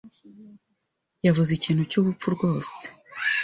yavuze ikintu cyubupfu rwose.